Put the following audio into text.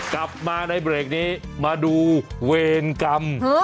กลับมาในเบรกนี้มาดูเวรกรรม